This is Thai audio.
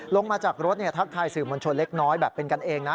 ลงมาจากรถทักทายสื่อมวลชนเล็กน้อยแบบเป็นกันเองนะ